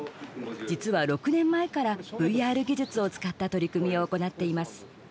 実は６年前からＶＲ技術を使った取り組みを行っています。